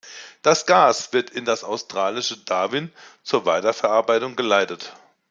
Das Gas wird in das australische Darwin zur Weiterverarbeitung geleitet.